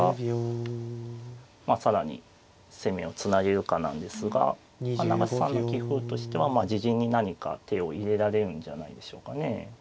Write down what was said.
まあ更に攻めをつなげるかなんですが永瀬さんの棋風としてはまあ自陣に何か手を入れられるんじゃないでしょうかね。